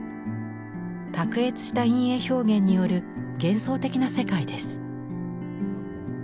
卓越した陰影表現による幻想的な世界です。